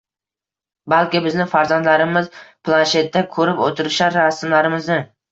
Balki bizni farzanddlarimiz planshetda koʻrib oʻtirishar rasmlarimizni.